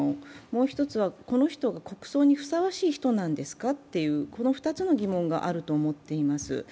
もう一つは、この人が国葬にふさわしい人なんですかと、この２つの疑問があると思っています。